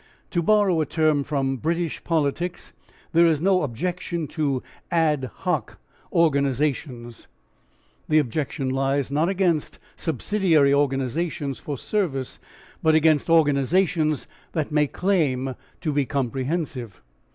To borrow a term from British politics, there is no objection to AD HOC organisations. The objection lies not against subsidiary organisations for service but against organisations that may claim to be comprehensive.